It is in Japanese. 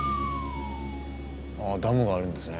あダムがあるんですね。